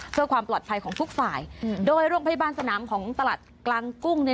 เพื่อความปลอดภัยของทุกฝ่ายโดยโรงพยาบาลสนามของตลาดกลางกุ้งเนี่ย